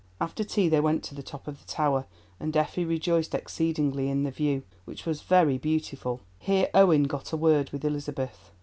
After tea they went to the top of the tower, and Effie rejoiced exceedingly in the view, which was very beautiful. Here Owen got a word with Elizabeth.